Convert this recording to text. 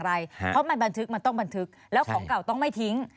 เพราะมันบันทึกมันต้องบันทึกแล้วของเก่าต้องไม่ทิ้ง